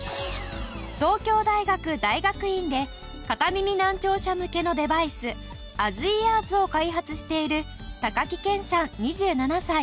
東京大学大学院で片耳難聴者向けのデバイスａｓＥａｒｓを開発している高木健さん２７歳。